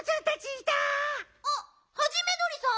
あっハジメどりさん。